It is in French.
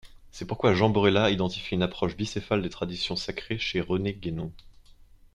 C'est pourquoi Jean Borella identifie une approche bicéphale des traditions sacrées chez René Guénon.